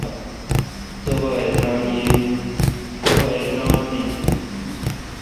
تبا اہ ادران این۔